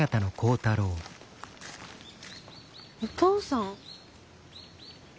お父さん？